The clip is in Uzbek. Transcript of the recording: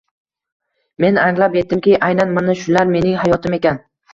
Men anglab yetdimki, aynan mana shular mening hayotim ekan.